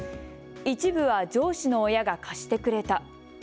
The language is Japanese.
一部は上司の親が貸してくれた。